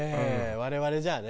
我々じゃあね。